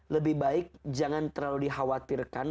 lebih baik jangan terlalu dikhawatirkan